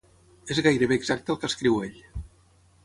És gairebé exacte al que escriu ell.